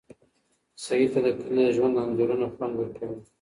سعید ته د کلي د ژوند انځورونه خوند ورکوي.